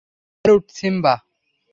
Salute, Simba!